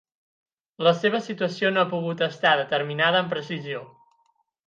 La seva situació no ha pogut estar determinada amb precisió.